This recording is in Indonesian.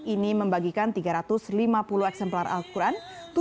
ini membagikan tiga ratus lima puluh eksemplar al quran